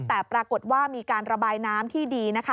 แต่ปรากฏว่ามีการระบายน้ำที่ดีนะคะ